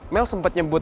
mel sempet nyebut